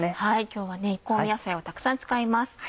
今日は香味野菜をたくさん使います。